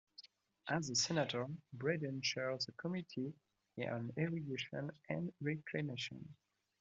As a senator Bratton chaired the Committee on Irrigation and Reclamation.